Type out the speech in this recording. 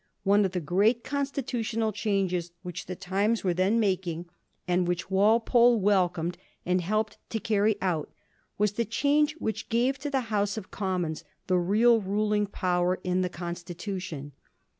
One of the great con stitutional changes which the times were then making, and which Walpole welcomed and helped to carry out, was the change which gave to the House of Commons the real ruling power in the Constitution.